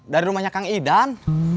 dari rumahnya kang idan